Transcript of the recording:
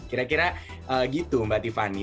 kira kira gitu mbak tiffany